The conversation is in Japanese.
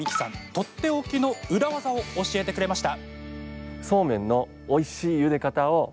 とっておきの裏技を教えてくれました。